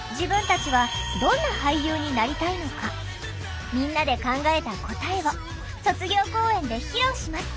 みんなで考えた答えを卒業公演で披露します